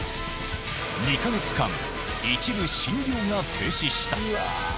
２か月間、一部診療が停止した。